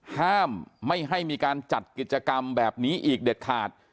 ห้ามไม่ให้มีการจัดกิจกรรมแบบนี้อีกเด็ดขาด